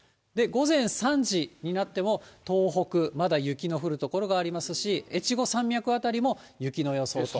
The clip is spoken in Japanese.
午前３時になっても、東北、まだ雪の降る所がありますし、越後山脈辺りも、雪の予想と。